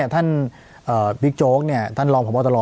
ปากกับภาคภูมิ